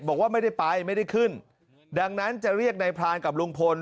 บอกว่าไม่ได้ไปไม่ได้ขึ้นดังนั้นจะเรียกนายพรานกับลุงพล